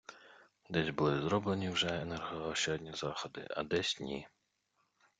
Десь були зроблені вже енергоощадні заходи, а десь - ні.